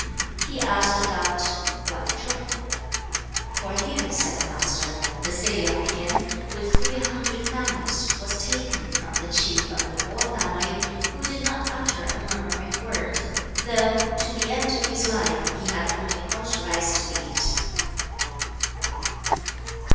3. He asked about Kwan Chung. 'For him,' said the Master, 'the city of Pien, with three hundred families, was taken from the chief of the Po family, who did not utter a murmuring word, though, to the end of his life, he had only coarse rice to eat.'